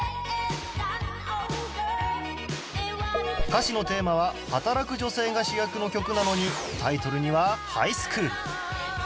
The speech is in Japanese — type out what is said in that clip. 歌詞のテーマは働く女性が主役の曲なのにタイトルには『ハイスクール』